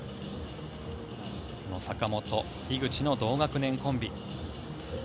この坂本、樋口の同学年コンビ。